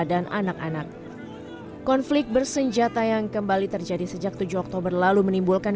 dan anak anak konflik bersenjata yang kembali terjadi sejak tujuh oktober lalu menimbulkan